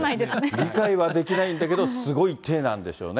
理解はできないんだけど、すごい手なんでしょうね。